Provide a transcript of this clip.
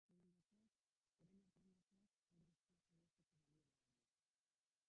Orain arte egindakoak hori guztia sahiesteko balio behar dio.